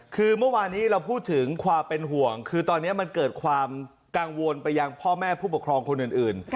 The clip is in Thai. คือเมื่อวานี้เราพูดถึงความเป็นห่วงคือตอนนี้มันเกิดความกังวลไปยังพ่อแม่ผู้ปกครองคนอื่น